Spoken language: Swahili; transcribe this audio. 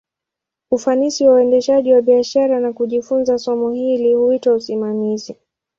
Ufanisi wa uendeshaji wa biashara, na kujifunza somo hili, huitwa usimamizi.